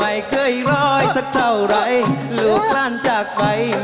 ฮรีรายโยแท่เดิมบินแบบสาอิงหาดูหมอ